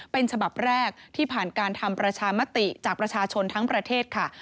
เป็นฉบับแรกที่ผ่านการทำประชามติจากประชาชนทั้งประเทศค่ะ